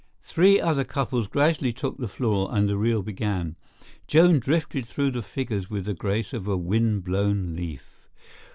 Three other couples gradually took the floor and the reel began. Joan drifted through the figures with the grace of a wind blown leaf.